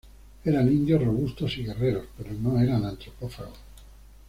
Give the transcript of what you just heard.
Eran indios robustos y guerreros, pero no eran antropófagos.